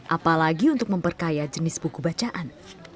apalagi untuk memperkaya jenis buku bacaan